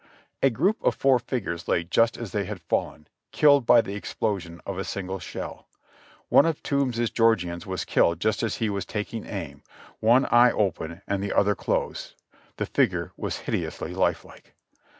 A group of four figures lay just as they had fallen, killed by the explosion of a single shell. One of Toombs's Geor gians was killed just as he was taking aim, one eye open and the other closed; the figure was hideously life like.